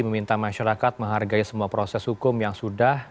meminta masyarakat menghargai semua proses hukum yang sudah